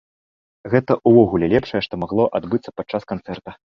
Гэта ўвогуле лепшае, што магло адбыцца падчас канцэрта!